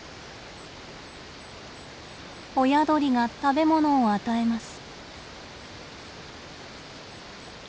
親鳥が食べ物を与えます。